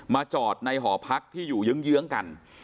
จอดในหอพักที่อยู่เยื้องกัน